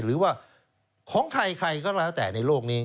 หรือว่าของใครใครก็แล้วแต่ในโลกนี้